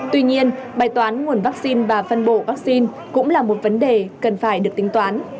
tuy nhiên bài toán nguồn vaccine và phân bổ vaccine cũng là một vấn đề cần phải được tính toán